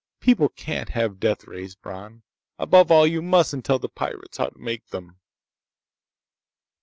People can't have deathrays, Bron! Above all, you mustn't tell the pirates how to make them!"